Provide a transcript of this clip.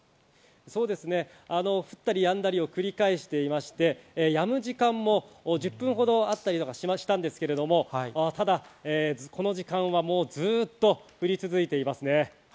降ったりやんだりを繰り返していまして、やむ時間も１０分ほどあったりしましたけれど、ただこの時間はずっと降り続いています。